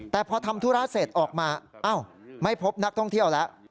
แต่พอทำธุระเสร็จออกมาอ้าวไม่พบนักท่องเที่ยวแล้ว